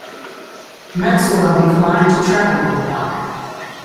Maxwell declined to travel with the Doctor.